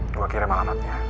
gue kirim alamatnya